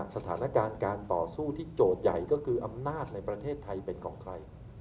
สถานการณ์การต่อสู้ที่โจทย์ใหญ่ก็คืออำนาจในประเทศไทยเป็นของใคร